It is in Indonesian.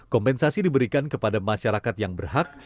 kompensasi diberikan kepada masyarakat yang berhak